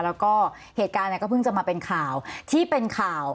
แล้วก็เหตุการณ์ก็เพิ่งจะมาเป็นข่าวที่เป็นข่าว